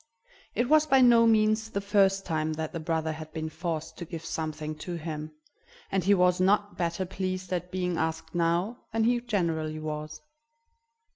It was by no means the first time that the brother had been forced to give something to him, and he was not better pleased at being asked now than he generally was.